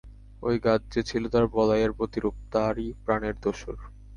ঐ গাছ যে ছিল তাঁর বলাইয়ের প্রতিরূপ, তারই প্রাণের দোসর।